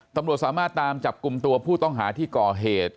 ตำรวจสามารถตามจับกลุ่มตัวผู้ต้องหาที่ก่อเหตุ